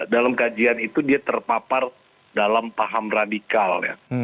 dalam kajian itu dia terpapar dalam paham radikal ya